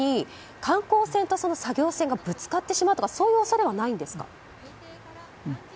観光船と作業船がぶつかってしまうとかそういう恐れはないんですか？